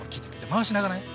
回しながら？